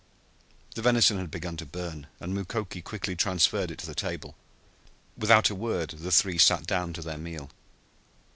The venison had begun to burn, and Mukoki quickly transferred it to the table. Without a word the three sat down to their meal.